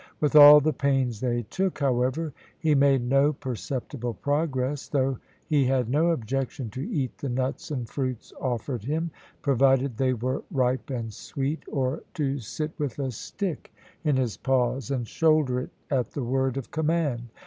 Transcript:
With all the pains they took, however, he made no perceptible progress, though he had no objection to eat the nuts and fruits offered him, provided they were ripe and sweet, or to sit with a stick in his paws, and shoulder it at the word of command.